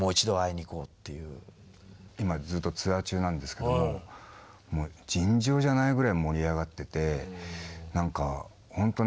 今ずっとツアー中なんですけども尋常じゃないぐらい盛り上がっててほんとね